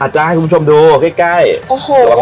อาจจะให้คุณผู้ชมดูใกล้